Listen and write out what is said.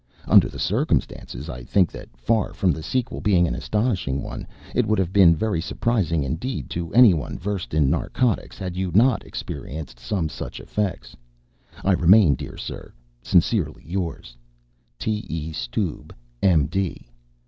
Under the circumstances, I think that, far from the sequel being an astonishing one, it would have been very surprising indeed to anyone versed in narcotics had you not experienced some such effects. I remain, dear sir, sincerely yours, "T. E. STUBE, M.D.